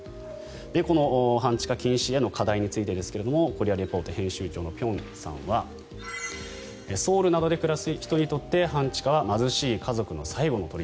この半地下禁止への課題についてですが「コリア・レポート」編集長の辺さんはソウルなどで暮らす人にとって半地下は貧しい家族の最後の砦。